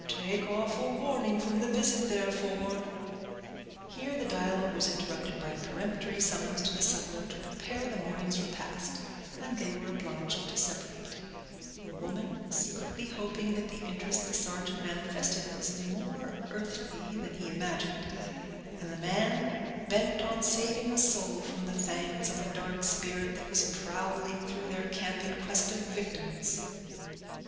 Take awful warning from the visit therefore—" Here the dialogue was interrupted by a peremptory summons to the sutler to prepare the morning's repast, and they were obliged to separate; the woman secretly hoping that the interest the sergeant manifested was more earthly than he imagined; and the man, bent on saving a soul from the fangs of the dark spirit that was prowling through their camp in quest of victims.